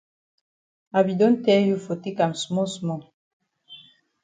I be don tell you for take am small small.